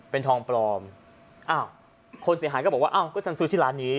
เป็นทองปลอมอ้าวคนเสียหายก็บอกว่าอ้าวก็ฉันซื้อที่ร้านนี้